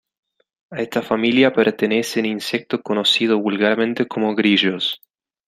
A esta familia pertenecen insectos conocidos vulgarmente como grillos.